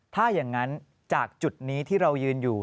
ถ้าอย่างนั้นจากจุดนี้ที่เรายืนอยู่